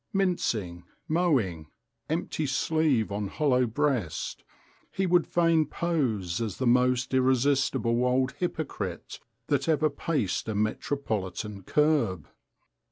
Mincing, mowing, empty sleeve on hollow breast, he would fain pose as the most irresistible old hypocrite that ever paced a metropolitan kerb.